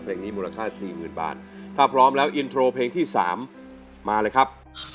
เพลงนี้มูลค่า๔๐๐๐บาทถ้าพร้อมแล้วอินโทรเพลงที่๓มาเลยครับ